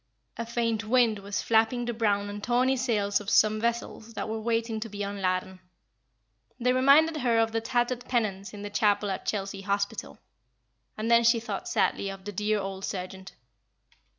A faint wind was flapping the brown and tawny sails of some vessels that were waiting to be unladen; they reminded her of the tattered pennons in the chapel at Chelsea Hospital. And then she thought sadly of the dear old sergeant.